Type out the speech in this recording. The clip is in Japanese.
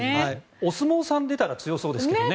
お相撲さんが出たら強そうですけどね。